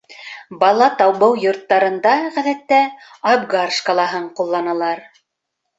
Бала табыу йорттарында, ғәҙәттә, Апгар шкалаһын ҡулланалар.